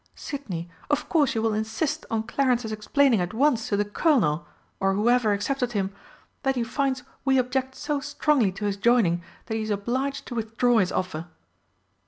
Sidney, of course you will insist on Clarence's explaining at once to the Colonel, or whoever accepted him, that he finds we object so strongly to his joining that he is obliged to withdraw his offer."